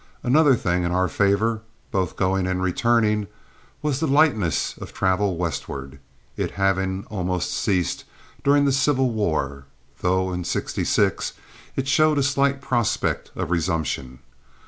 Another thing in our favor, both going and returning, was the lightness of travel westward, it having almost ceased during the civil war, though in '66 it showed a slight prospect of resumption.